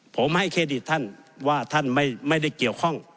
ผมให้เครดิตท่านว่าท่านไม่ได้เกี่ยวข้อง